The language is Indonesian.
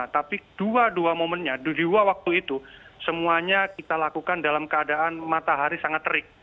tapi dua dua momennya dua dua waktu itu semuanya kita lakukan dalam keadaan matahari sangat terik